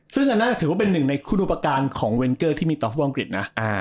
ซึ่งอันนะถือว่าเป็นหนึ่งในคู่รูปการของเวรเกอร์ที่มีศาสตร์ฟูโบรังกริดนะ